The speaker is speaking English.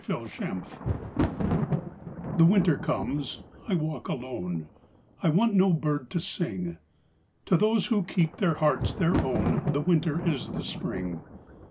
1 Autoplay The winter comes; I walk alone, I want no bird to sing; To those who keep their hearts their own The winter is the spring.